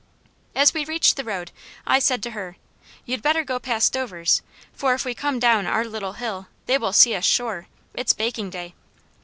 As we reached the road, I said to her: "You'd better go past Dovers', for if we come down our Little Hill they will see us sure; it's baking day."